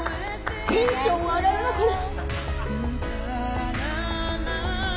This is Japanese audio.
テンション上がるなこれ。